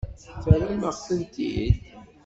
Terram-aɣ-tent-id?